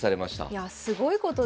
いやすごいことですね。